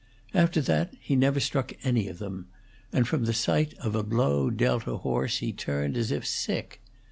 After that he never struck any of them; and from the sight of a blow dealt a horse he turned as if sick.